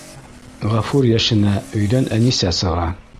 Ғәфүр йәшенә, өйҙән Әнисә сыға.